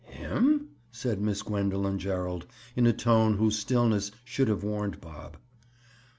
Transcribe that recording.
"Him?" said Miss Gwendoline Gerald, in a tone whose stillness should have warned Bob.